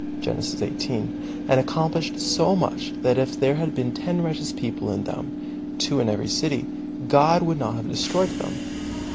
Genesis xviii, and accomplished so much, that if there had been ten righteous people in them, two in each city, God would not have destroyed them.